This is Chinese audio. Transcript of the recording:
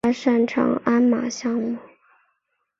他擅长鞍马项目。